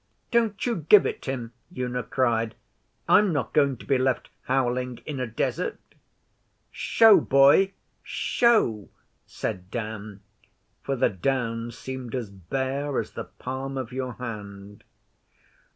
'Don't you give it him,' Una cried. 'I'm not going to be left howling in a desert.' 'Show, boy! Show!' said Dan, for the Downs seemed as bare as the palm of your hand.